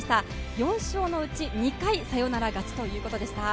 ４勝のうち２回サヨナラ勝ちということでした。